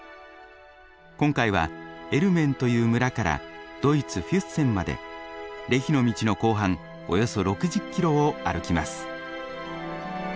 今回はエルメンという村からドイツ・フュッセンまでレヒの道の後半およそ６０キロを歩きます。